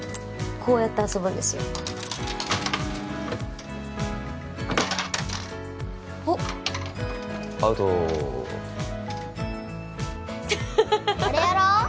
こうやって遊ぶんですよおっアウトハハハハ・あれやろう・